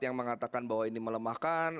yang mengatakan bahwa ini melemahkan